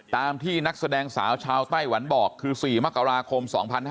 ตามที่นักแสดงสาวชาวไต้หวันบอกคือ๔มกราคม๒๕๕๙